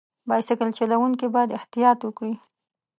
بایسکل چلوونکي باید احتیاط وکړي.